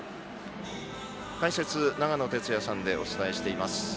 解説、長野哲也さんでお伝えしています。